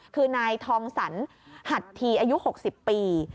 คือนายทองสันหัดทีอายุ๖๐ปี